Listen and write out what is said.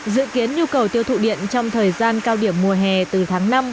dự kiến nhu cầu tiêu thụ điện trong thời gian cao điểm mùa hè từ tháng năm